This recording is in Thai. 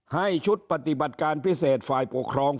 ให้ชุดปฏิบัติการพิเศษฝ่ายปกครอง